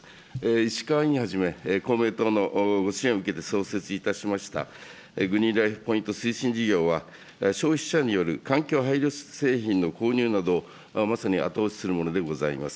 石川委員はじめ、公明党の支援を受けて創設いたしました、グリーンライフ・ポイント推進事業は、消費者による環境配慮製品の購入など、まさに後押しするものでございます。